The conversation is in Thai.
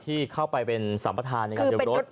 ที่เข้าไปเป็นสัมปทานในการเดิมรถ